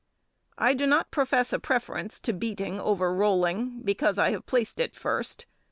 I do not profess a preference to beating over rolling because I have placed it first.